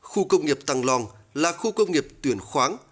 khu công nghiệp tăng long là khu công nghiệp tuyển khoáng